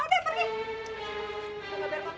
tidak mau tahu pergi